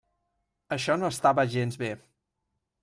Això no estava gens bé.